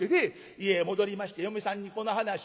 家へ戻りまして嫁さんにこの話をする。